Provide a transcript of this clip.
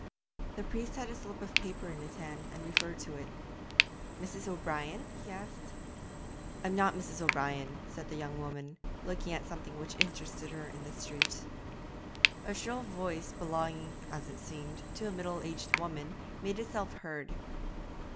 The priest had a slip of paper in his hand and referred to it. 'Mrs. O'Brien?' he asked. 'I'm not Mrs. O'Brien,' said the young woman, looking at something which interested her in the street. A shrill voice belonging, as it seemed, to a middle aged woman, made itself heard.